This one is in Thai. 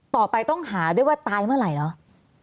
ต่อไปต้องหาด้วยว่าตายเมื่อไหร่เหรอ